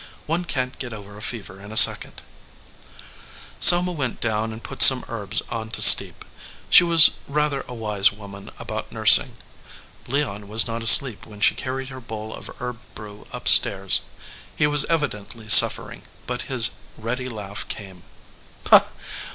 "One can t get over a fever in a second." 161 EDGEWATER PEOPLE Selma went down and put some herbs on to steep. She was rather a wise woman about nurs ing. Leon was not asleep when she carried her bowl of herb brew up stairs. He was evidently suffering, but his ready laugh came.